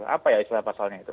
apa ya istilah pasalnya itu